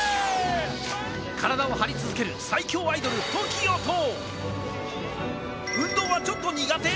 体を張り続ける最強アイドル、ＴＯＫＩＯと、運動はちょっと苦手？